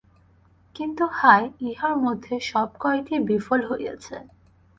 কিন্তু হায়! ইহার মধ্যে সব কয়টিই বিফল হইয়াছে।